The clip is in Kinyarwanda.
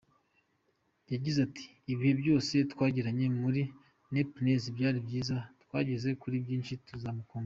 Yagize ati “Ibihe byose twagiranye muri Neptunez byari byiza, twageze kuri byinshi nzakumbura.